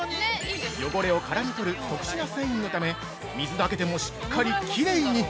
汚れを絡み取る特殊な繊維のため水だけでも、しっかりきれいに！